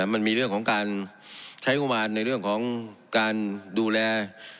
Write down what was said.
มันมีเรื่องของการใช้งบมารในเรื่องของการดูแล